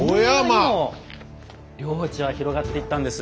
こんなにも領地は広がっていったんです。